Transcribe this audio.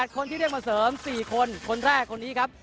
คนที่เรียกมาเสริม๔คนคนแรกคนนี้ครับ